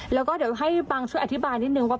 และให้ปังช่วยอธิบายนิดนึงว่า